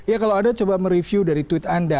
ya kalau anda coba mereview dari tweet anda